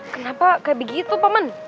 kenapa kayak begitu paman